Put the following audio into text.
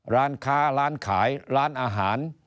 ร้านค้าร้านขายร้านอาหาร